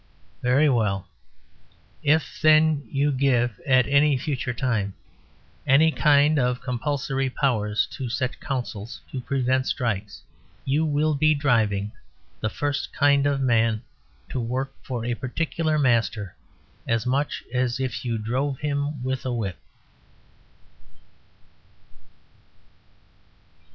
Very well. If then, you give at any future time any kind of compulsory powers to such councils to prevent strikes, you will be driving the first Kind of Man to work for a particular master as much as if you drove him with a whip.